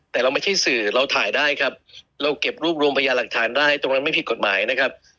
แต่เราไม่ใช่สื่อเราถ่ายได้ครับเราเก็บรวบรวมพยาหลักฐานได้ตรงนั้นไม่ผิดกฎหมายนะครับ